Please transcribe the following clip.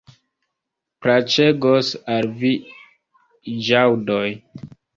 Plaĉegos al vi ĵaŭdoj.